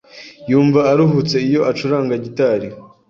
Yumva aruhutse iyo acuranga gitari.